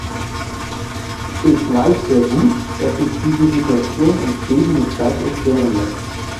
Ich weiß sehr gut, dass sich diese Situation in Schweden nicht leicht erklären lässt.